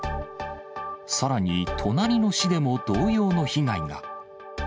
さらに、隣の市でも同様の被害が。